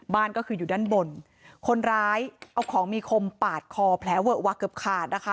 บ้านก็คืออยู่ด้านบนคนร้ายเอาของมีคมปาดคอแผลเวอะวะเกือบขาดนะคะ